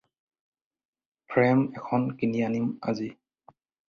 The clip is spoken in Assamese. ফ্ৰেম এখন কিনি আনিম আজি।